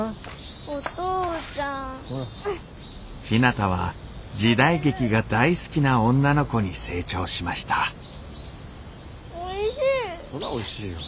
ひなたは時代劇が大好きな女の子に成長しましたおいしい！